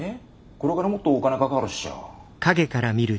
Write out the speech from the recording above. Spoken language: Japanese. これからもっとお金かかるっしょ。